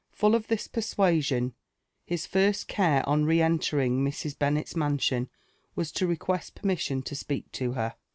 Full of this persuasion, his first caro on re entering Mrs. Beonel's i&snsion was (o request permission to speak to her.